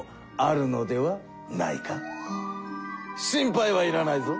心配はいらないぞ！